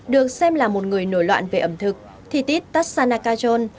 được xem là một người nổi loạn về ẩm thực thitit tassana kajol